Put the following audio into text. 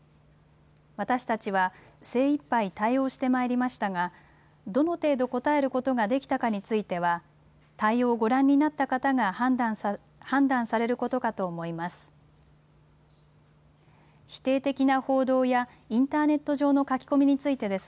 私たちは精いっぱい対応してまいりましたが、どの程度応えることができたかについては、対応をご覧になった方が判断されることかと思います。